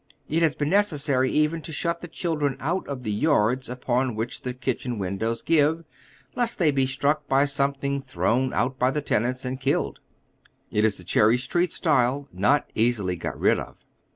It has been necessary even to shut the children out of the yards upon which the kitchen windows give, lest they be struck by something thrown out by the tenants, and killed. It is the Cherry Street style, not easily got rid of.